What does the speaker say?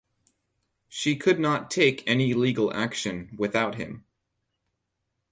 She could not take any legal action without him.